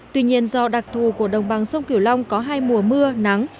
tuy nhiên do đặc thù của đồng bằng sông kiểu long có hai mùa mưa nắng